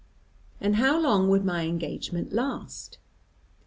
"And how long would my engagement last?"